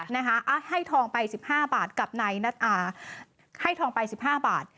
นะฮะอ่าให้ทองไปสิบห้าบาทกับนายนัดอ่าให้ทองไปสิบห้าบาท